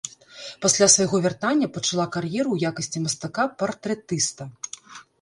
Пасля свайго вяртання пачалакар'еру ў якасці мастака-партрэтыста.